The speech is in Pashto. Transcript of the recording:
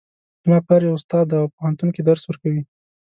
زما پلار یو استاد ده او په پوهنتون کې درس ورکوي